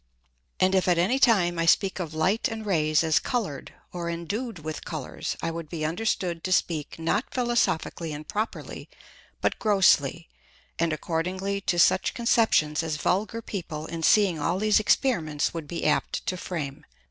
And if at any time I speak of Light and Rays as coloured or endued with Colours, I would be understood to speak not philosophically and properly, but grossly, and accordingly to such Conceptions as vulgar People in seeing all these Experiments would be apt to frame.